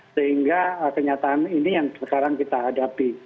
sehingga kenyataan ini yang sekarang kita hadapi